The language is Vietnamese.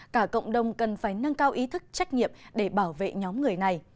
cả cộng đồng cần phải nâng cao ý thức trách nhiệm để bảo vệ nhóm người này